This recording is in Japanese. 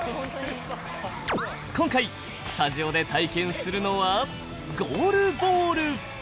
今回、スタジオで体験するのはゴールボール。